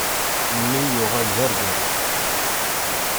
Mmi yuɣal d argaz.